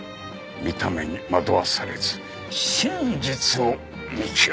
見た目に惑わされず真実を見極めろ。